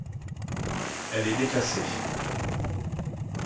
Elle est déclassée.